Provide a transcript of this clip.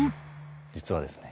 実はですね